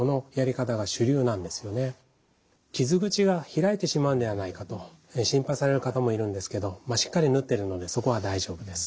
傷口が開いてしまうんではないかと心配される方もいるんですけどしっかり縫ってるのでそこは大丈夫です。